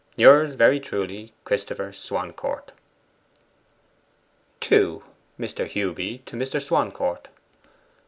Yours very truly, CHRISTOPHER SWANCOURT. 2. MR. HEWBY TO MR. SWANCOURT.